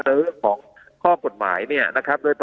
เรื่องของข้อกฎหมายเนี่ยนะครับ